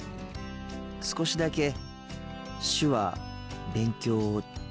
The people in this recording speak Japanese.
少しだけ手話勉強中です。